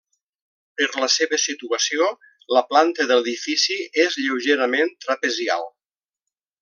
Per la seva situació la planta de l'edifici és lleugerament trapezial.